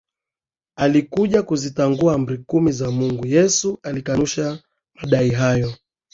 alikuja kuzitangua Amri kumi za Mungu Yesu alikanusha madai hayo